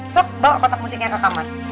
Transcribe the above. sok bawa kotak musiknya ke kamar